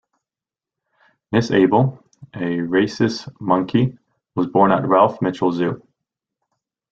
Miss Able, a rhesus monkey, was born at Ralph Mitchell Zoo.